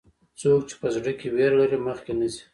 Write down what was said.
څوک چې په زړه کې ویره لري، مخکې نه ځي.